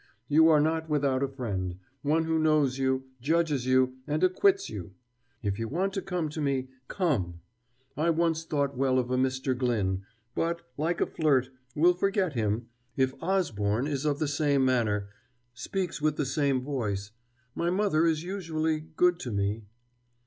You are not without a friend, one who knows you, judges you, and acquits you.... If you want to come to me, come!... I once thought well of a Mr. Glyn, but, like a flirt, will forget him, if Osborne is of the same manner, speaks with the same voice.... My mother is usually good to me....